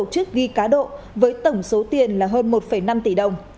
tổ chức ghi cá độ với tổng số tiền là hơn một năm tỷ đồng